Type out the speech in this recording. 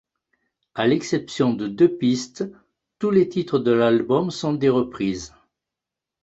À l'exception de deux pistes, tous les titres de l'album sont des reprises.